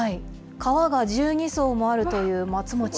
皮が１２層もあるという松餅。